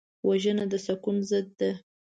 وژنه د سکون ضد ده